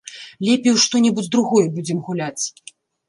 Лепей у што-небудзь другое будзем гуляць.